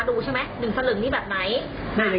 ซื้อมากันอย่างนี้มันเป็นลายทองจริงหมดเลย